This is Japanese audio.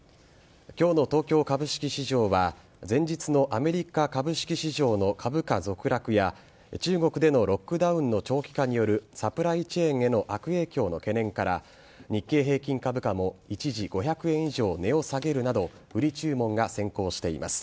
今日の東京株式市場は前日のアメリカ株式市場の株価続落や中国でのロックダウンの長期化によるサプライチェーンへの悪影響の懸念から日経平均株価も一時５００円以上値を下げるなど売り注文が先行しています。